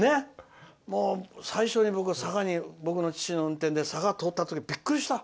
最初に僕は、父の運転で佐賀を通った時、びっくりした。